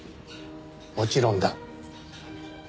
もちろんだ。